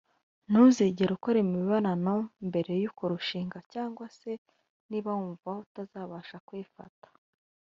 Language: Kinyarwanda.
ntuzigere ukora imibonano mbere yo kurushinga cyangwa se niba wumva utazabasha kwifata